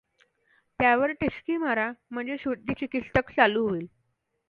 त्यावर टिचकी मारा म्हणजे शुद्धिचिकित्सक चालू होईल.